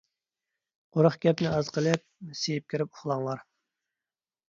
قۇرۇق گەپنى ئاز قىلىپ، سىيىپ كىرىپ ئۇخلاڭلار.